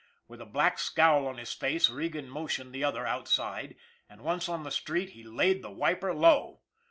With a black scowl on his face, Regan motioned the other outside, and, once on the street, he laid the wiper low.